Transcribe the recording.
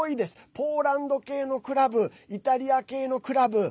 ポーランド系のクラブイタリア系のクラブ。